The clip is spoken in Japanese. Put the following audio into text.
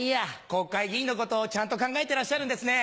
国会議員のことをちゃんと考えてらっしゃるんですね。